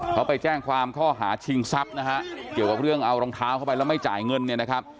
เขาไปแจ้งความข้อหาชิงทรัพย์นะฮะเกี่ยวกับเรื่องเอารองเท้าเข้าไปแล้วไม่จ่ายเงินเนี่ยนะครับ